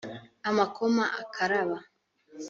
amakoma akaraba